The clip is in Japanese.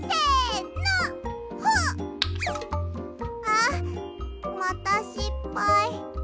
あまたしっぱい。